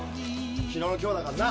昨日の今日だかんな。